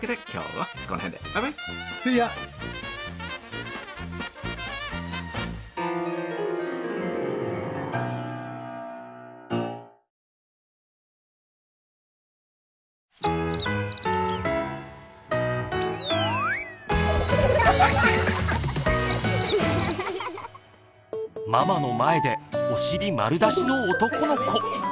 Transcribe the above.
ママの前でお尻丸出しの男の子！